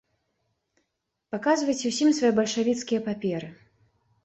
Паказвайце ўсім свае бальшавіцкія паперы.